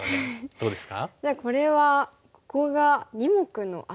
どうですか？